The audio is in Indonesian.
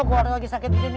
gue lagi sakit di sini